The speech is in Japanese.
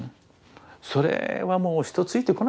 それはもう人ついてこないだろうなと。